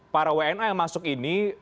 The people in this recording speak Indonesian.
para wna yang masuk ini